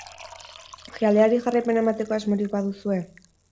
Jaialdiari jarraipena emateko asmorik baduzue?